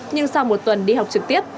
nhưng sau một tuần đi học trực tiếp